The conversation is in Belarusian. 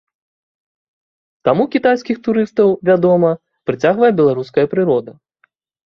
Таму кітайскіх турыстаў, вядома, прыцягвае беларуская прырода.